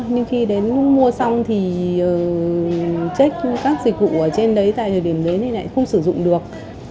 nhưng khi đến mua xong thì check các dịch vụ ở trên đấy tại thời điểm đến thì lại không sử dụng được